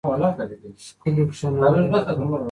ښكلي كښېـنولي راته